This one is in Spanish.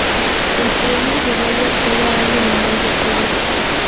El premio se falla cada año en el mes de octubre.